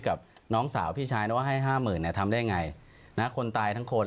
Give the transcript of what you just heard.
กับน้องสาวพี่ชายว่าให้๕หมื่นทำได้อย่างไรคนตายทั้งคน